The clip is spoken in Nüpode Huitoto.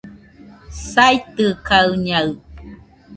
saitɨkaɨñaɨ